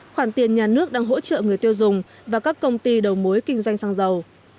khoản tiền nhà nước đang hỗ trợ người tiêu dùng và các công ty đầu mối kinh doanh xăng dầu